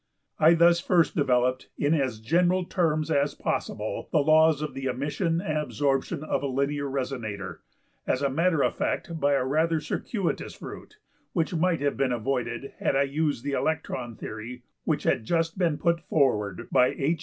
I thus first developed in as general terms as possible the laws of the emission and absorption of a linear resonator, as a matter of fact by a rather circuitous route which might have been avoided had I used the electron theory which had just been put forward by H.